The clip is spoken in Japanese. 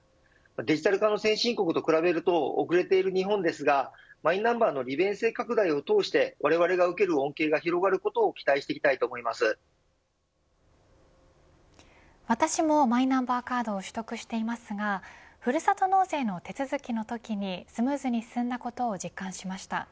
デジタル化の先進国と比べると遅れている日本ですがマイナンバーの利便性拡大を通してわれわれが受ける恩恵が私もマイナンバーカードを取得していますがふるさと納税の手続きのときにスムーズに進んだことを実感しました。